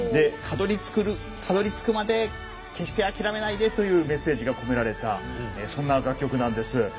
たどり着くまで決して諦めないでというメッセージが込められたそんな楽曲なんです。